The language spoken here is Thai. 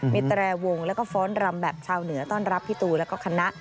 มีแตรวงและฟอสดัรรมแบบชาวเหนือต้อนรับพิตูและคณะ